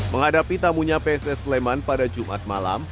menghadapi tamunya pss sleman pada jumat malam